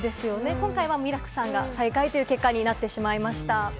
今回はミラクさんが最下位という結果になってしまいました。